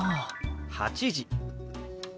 「８時」。